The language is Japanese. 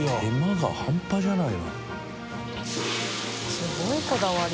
すごいこだわり。